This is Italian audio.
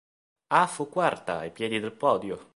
A fu quarta, ai piedi del podio.